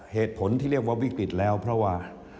เหตุผลที่เรียกว่าวิกฤตแล้วเพราะว่า